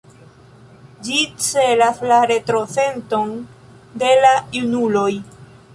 Ĝi celas la retro-senton de la junuloj.